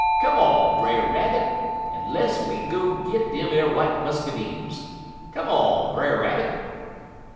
Come on, Brer Rabbit, en less we go git dem ar w'ite muscadimes. Come on, Brer Rabbit.'